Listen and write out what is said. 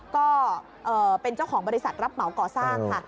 ก็เป็นเจ้าของบริษัทรับเหมาก่อสร้างค่ะ